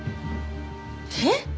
えっ？